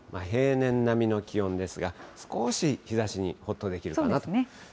平年並みの気温ですが、少し日ざしにほっとできるかなと。